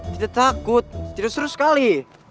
tidak takut tidak seru sekali